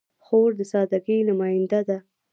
خور د سادګۍ نماینده ده.